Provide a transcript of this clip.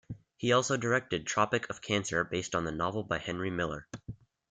He also directed 'Tropic of Cancer' based on the Novel by Henry Miller.